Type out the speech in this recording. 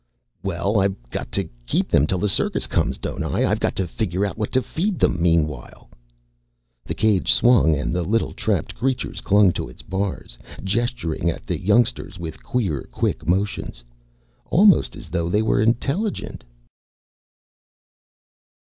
"Well, I've got to keep them till the circus comes, don't I? I've got to figure out what to feed them meanwhile." The cage swung and the little trapped creatures clung to its bars, gesturing at the youngsters with queer, quick motions almost as though they were intelligent.